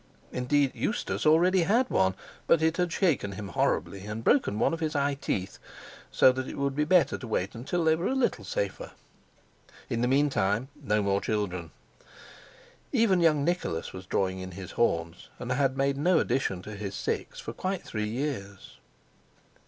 Indeed, Eustace already had one, but it had shaken him horribly, and broken one of his eye teeth; so that it would be better to wait till they were a little safer. In the meantime, no more children! Even young Nicholas was drawing in his horns, and had made no addition to his six for quite three years.